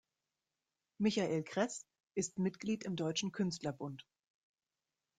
Michael Kress ist Mitglied im Deutschen Künstlerbund.